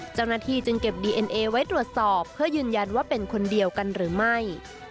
เจ้าหน้าที่จึงเก็บดีเอ็นเอไว้ตรวจสอบเพื่อยืนยันว่าเป็นคนเดียวกันหรือไม่